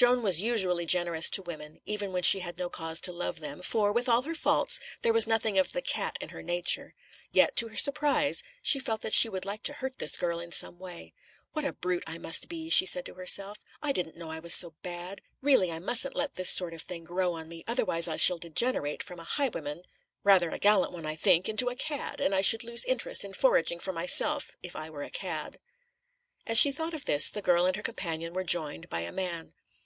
Joan was usually generous to women, even when she had no cause to love them, for, with all her faults, there was nothing of the "cat" in her nature; yet, to her surprise, she felt that she would like to hurt this girl in some way. "What a brute I must be!" she said to herself. "I didn't know I was so bad. Really I mustn't let this sort of thing grow on me, otherwise I shall degenerate from a highwayman (rather a gallant one, I think) into a cad, and I should lose interest in foraging for myself if I were a cad." As she thought this, the girl and her companion were joined by a man.